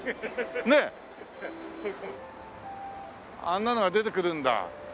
あんなのが出てくるんだ。